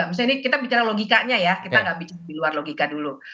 misalnya ini kita bicara logikanya ya kita nggak bicara di luar logika dulu